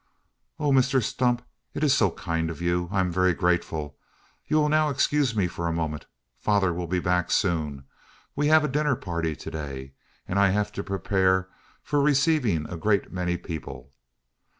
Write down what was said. "Oh, Mr Stump, it is so kind of you! I am very, very grateful. You will now excuse me for a moment. Father will soon be back. We have a dinner party to day; and I have to prepare for receiving a great many people.